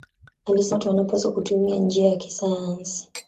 Alisema watu wanapaswa kutumia njia ya kisayansi.